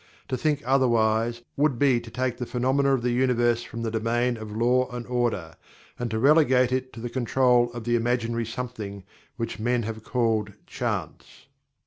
To think otherwise would be to take the phenomena of the universe from the domain of Law and Order, and to relegate it; to the control of the imaginary something which men have called "Chance."